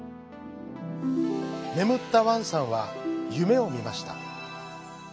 ねむったワンさんはゆめをみました。